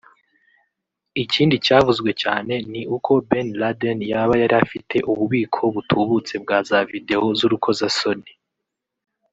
Ikindi cyavuzwe cyane ni uko Ben Laden yaba yari afite ububiko butubutse bwa za video z’urukozasoni